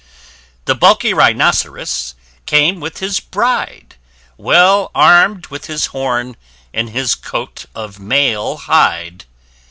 The bulky Rhinoceros, came with his bride; Well arm'd with his horn, and his coat of mail hide.